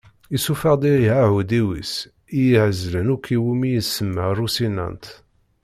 Yessufeɣ-d ihi aεudiw-is ihezlen akk iwumi isemma Rusinant